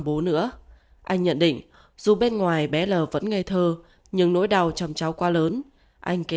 bố nữa anh nhận định dù bên ngoài bé l vẫn ngây thơ nhưng nỗi đau chầm cháu quá lớn anh kế